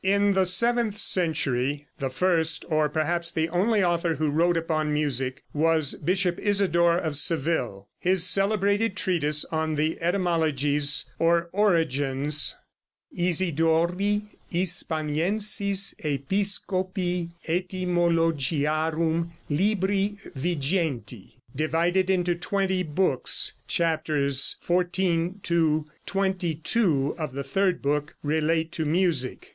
In the seventh century the first, or perhaps the only author who wrote upon music was Bishop Isidore, of Seville. In his celebrated treatise on the etymologies or origins ("Isidori Hispaniensis Episcopi Etymologiarum, Libri XX") divided into twenty books, chapters XIV to XXII of the third book relate to music.